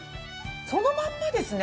そのまんまですね！